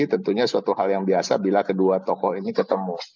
tentunya suatu hal yang biasa bila kedua tokoh ini ketemu